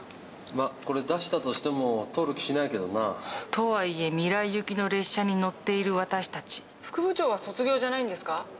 まあこれ出したとしても通る気しないけどな。とはいえ未来行きの列車に乗っている私たち副部長は卒業じゃないんですか？